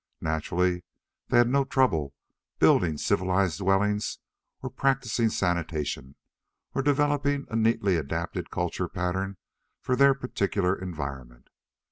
Naturally, they'd had no trouble building civilized dwellings or practising sanitation, or developing a neatly adapted culture pattern for their particular environment.